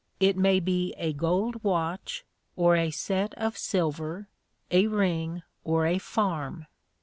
It may be a gold watch or a set of silver, a ring or a farm.